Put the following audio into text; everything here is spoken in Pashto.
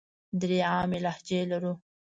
درې عامې لهجې لرو.